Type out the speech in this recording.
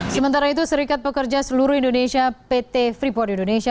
sementara itu serikat pekerja seluruh indonesia pt freeport indonesia